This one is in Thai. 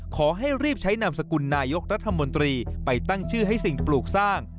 ขอให้รีบใช้นามสกุลนายกรัฐมนตรีไปตั้งชื่อให้สิ่งปลูกสร้าง